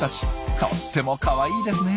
とってもかわいいですね。